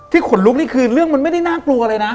ขนลุกนี่คือเรื่องมันไม่ได้น่ากลัวเลยนะ